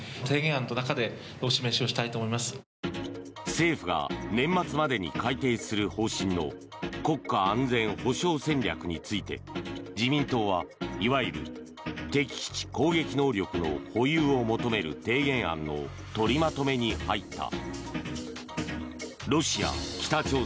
政府が年末までに改定する方針の国家安全保障戦略について自民党はいわゆる敵基地攻撃能力の保有を求める提言案の取りまとめに入った。